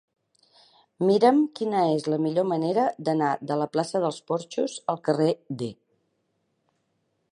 Mira'm quina és la millor manera d'anar de la plaça dels Porxos al carrer D.